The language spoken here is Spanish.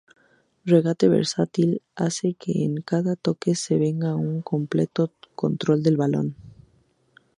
Regate versátil: hace que en cada toque se tenga un completo control del balón.